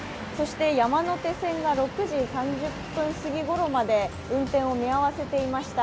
山手線が６時３０分すぎごろまで運転を見合わせていました。